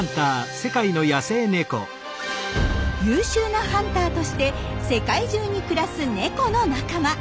優秀なハンターとして世界中に暮らすネコの仲間。